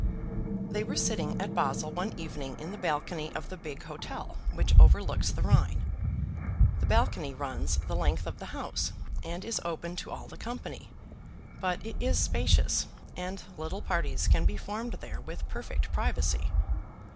They were sitting at Basle one evening in the balcony of the big hotel which overlooks the Rhine. The balcony runs the length of the house, and is open to all the company; but it is spacious, and little parties can be formed there with perfect privacy.